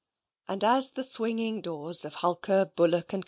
And as the swinging doors of Hulker, Bullock & Co.